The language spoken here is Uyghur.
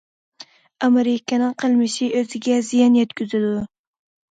ئامېرىكىنىڭ قىلمىشى ئۆزىگە زىيان يەتكۈزىدۇ.